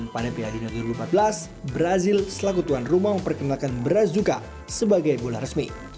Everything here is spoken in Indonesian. pada piala dunia dua ribu empat belas brazil selaku tuan rumah memperkenalkan brazuka sebagai bola resmi